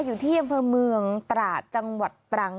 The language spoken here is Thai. อยู่ที่เยี่ยมพระเมืองตราจังหวัดตรัง